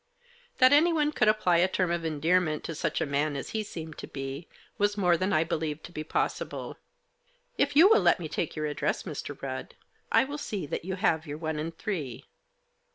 That anyone could apply a term of endearment to Digitized by FIEAKDOLO'S. 9 such a man as he seemed to be, was more than I believed to be possible. " If you will let me take your address, Mr. Rudd, I will see that you have your one and three."